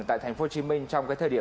tại thành phố hồ chí minh